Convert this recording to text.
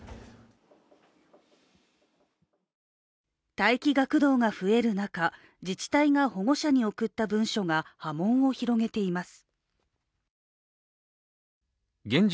待機学童が増える中、自治体が保護者に送った文書が波紋を広げています。